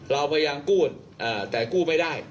เราไปยังกู้แต่กู้ไม่ได้